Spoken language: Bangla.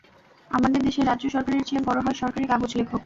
আমাদের দেশে, রাজ্য সরকারের চেয়ে বড় হয় সরকারি কাগজ লেখক।